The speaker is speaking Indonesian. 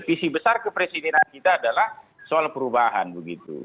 visi besar kepresidenan kita adalah soal perubahan begitu